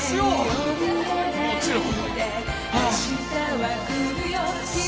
もちろん。